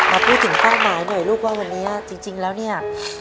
มาพูดถึงเป้าหมายหน่อยลูกว่าวันนี้จริงแล้วเนี่ย